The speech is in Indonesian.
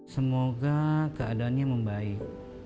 semoga keadaannya membaik